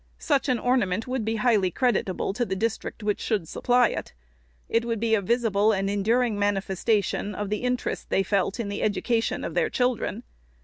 Such an ornament would be highly creditable to the district which should supply it. It would be a visible and enduring manifestation of the interest they felt in the education of their children.